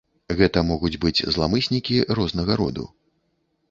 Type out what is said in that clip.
Гэта могуць быць зламыснікі рознага роду.